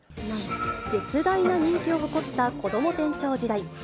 絶大な人気を誇ったこども店長時代。